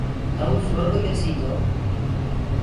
تئوٚ سُرگ ملسيٚ، تو